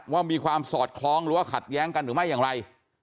ว่ามีความสอดคล้องหรือว่าขัดแย้งกันหรือไม่อย่างไร